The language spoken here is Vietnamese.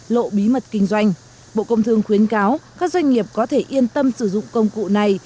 lộ bí mật kinh doanh bộ công thương khuyến cáo các doanh nghiệp có thể yên tâm sử dụng công cụ này